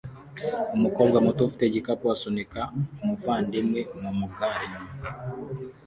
Umukobwa muto ufite igikapu asunika umuvandimwe mumugare